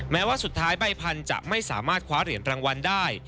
แม้ว่าสุดท้ายใบพันธุ์จะไม่สามารถคว้าเหรียญรางวัลได้